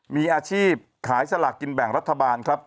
มีอาชีพขายสลากกินแบ่งรัฐบาลครับ